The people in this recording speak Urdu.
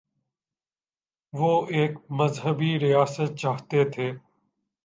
وہ ایک مذہبی ریاست چاہتے تھے؟